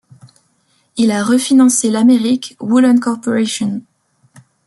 Il a refinancé l'Amérique Woolen Co.